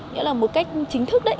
nghĩa là một cách chính thức đấy